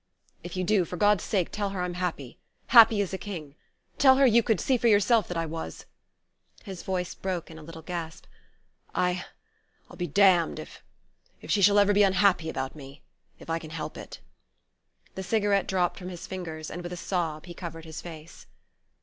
"If you do, for God's sake tell her I'm happy... happy as a king... tell her you could see for yourself that I was...." His voice broke in a little gasp. "I... I'll be damned if... if she shall ever be unhappy about me... if I can help it...." The cigarette dropped from his fingers, and with a sob he covered his face.